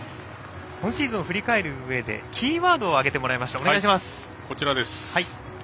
今シーズンを振り返るうえでキーワードを挙げてもらいます。